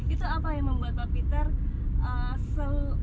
itu apa yang membuat pak peter se